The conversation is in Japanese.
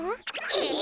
え！？